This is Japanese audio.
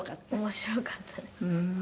面白かったです。